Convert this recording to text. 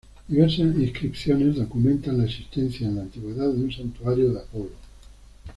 Diversas inscripciones documentan la existencia en la Antigüedad de un santuario de Apolo.